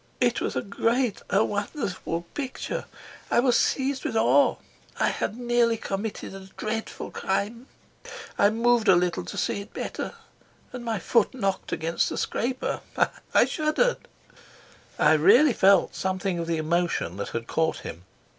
"It was a great, a wonderful picture. I was seized with awe. I had nearly committed a dreadful crime. I moved a little to see it better, and my foot knocked against the scraper. I shuddered." I really felt something of the emotion that had caught him.